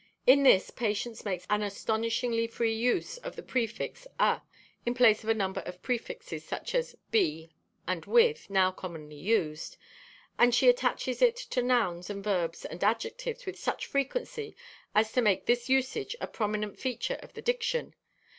In this Patience makes an astonishingly free use of the prefix "a," in place of a number of prefixes, such as "be" and "with," now commonly used, and she attaches it to nouns and verbs and adjectives with such frequency as to make this usage a prominent feature of the diction.